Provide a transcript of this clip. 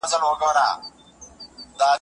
آیا ستاسو په ښوونځي کي پښتو ژبه تدریس کيږي؟